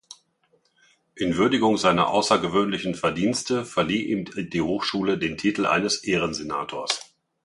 In Würdigung seiner außergewöhnlichen Verdienste verlieh ihm die Hochschule den Titel eines „Ehrensenators“.